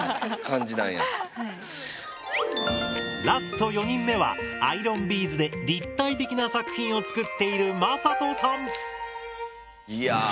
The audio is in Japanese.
ラスト４人目はアイロンビーズで立体的な作品を作っているいや。